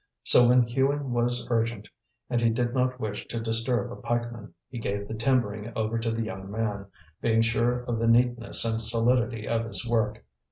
So when hewing was urgent, and he did not wish to disturb a pikeman, he gave the timbering over to the young man, being sure of the neatness and solidity of his work.